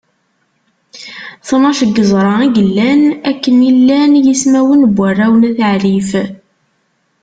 Tnac n yeẓra i yellan, akken i llan yismawen n warraw n At Ɛrif.